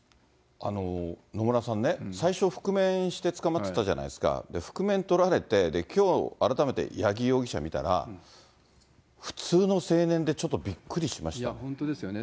野村さんね、最初、覆面して捕まってたじゃないですか、覆面取られて、きょう、改めて八木容疑者見たら、普通の青年で、いや、本当ですよね。